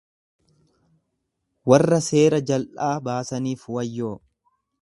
Warra seera jal'aa baasaniif wayyoo!